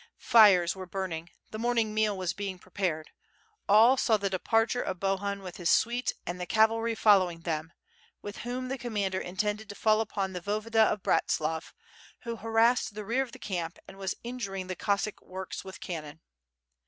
Fires were burning, the morning meal was being prepared. All saw the departure of Bohun with his suite and the cavalry following them, with whom the com mander intended to fall upon the Voyevoda of Bratslav, who harassed the rear of the camp and was injuring the Cossack works with cannon.